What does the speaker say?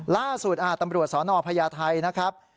ล่าสุดตำรวจสนพญาไทยนะครับ